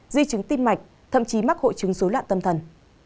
di chứng tim mạch thậm chí mắc hội chứng dối loạn tâm thần